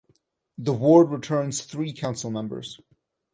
The ward returns three council members.